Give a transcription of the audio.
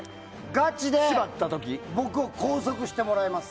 ガチで僕を拘束してもらいます。